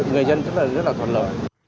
người dân rất là thuận lợi